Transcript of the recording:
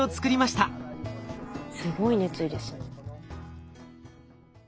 すごい熱意ですね。